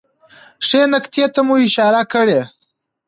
ښې نکتې ته مو اشاره کړې